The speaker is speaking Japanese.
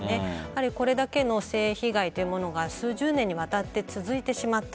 これだけの性被害というものが数十年にわたって続いてしまった。